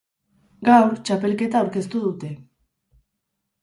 Gaur txapelketa aurkeztu dute.